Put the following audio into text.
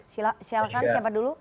silahkan siapa dulu